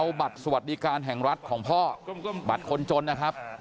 เอาบัตรสวัสดิการแห่งรัฐของพ่อบัตรคนจนนะครับ